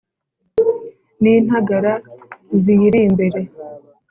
n'intagara ziyiri imbere